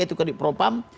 yaitu kadik propam